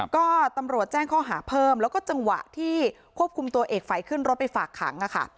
ก็ตำรวจแจ้งข้อหาเพิ่มแล้วก็จังหวะที่ควบคุมตัวเอกฝัยขึ้นรถไปฝากขัง